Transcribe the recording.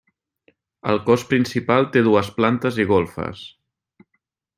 El cos principal té dues plantes i golfes.